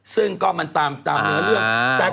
ซึ่งก็มันตามเนื้อเรื่อง